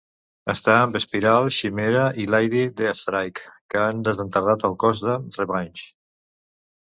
Està amb Spiral, Chimera i Lady Deathstrike que han desenterrat el cos de Revanche.